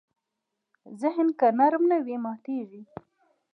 ذهن که نرم نه وي، ماتېږي.